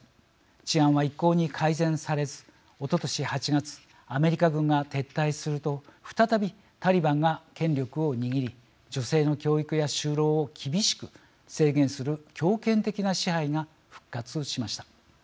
治安は一向に改善されずおととし８月アメリカ軍が撤退すると再びタリバンが権力を握り女性の教育や就労を厳しく制限する強権的な支配が復活しました。